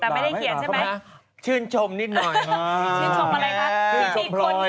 แต่ไม่ได้เกียรติใช่ไหม